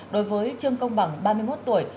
đối với chương công bằng ba mươi một tuổi